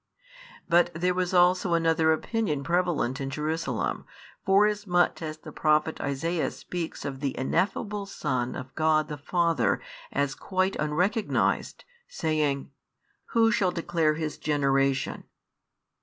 But there was also another opinion prevalent in Jerusalem, forasmuch as the prophet Isaiah speaks of the Ineffable Son of God the Father as quite unrecognised, saying: Who shall declare His generation?